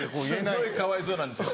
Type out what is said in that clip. すごいかわいそうなんですよ。